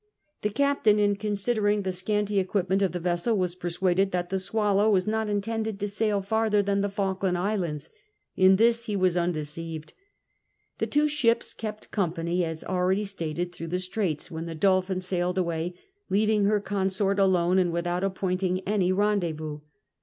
The captjiin, in considering the scanty equipment of the vessel, was persuaded that the Stvallow was not intended to sail farther than the Falkland Isles. In this he Avas undeceived The tAvo ships kejAt in company, as already stsited, through the Straits, when the Dol^thin sailed aAvay, leaving her consoit alone, and without appointing any rendezvous.